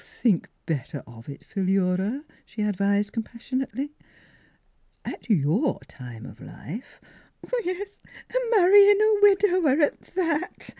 " Think better of it, Philura," she ad vised compassionately. " At your time of life —"" Yes, an' marryin' a widower at that